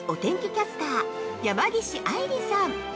キャスター山岸愛梨さん！